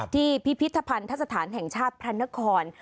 ที่พิพิธภัณฑ์ทศาสตร์แห่งชาติพระนคร